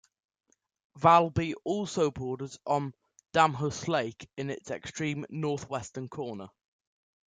Valby also borders on Damhus Lake in its extreme north-western corner.